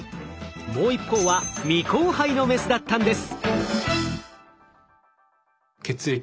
もう一方は未交配のメスだったんです。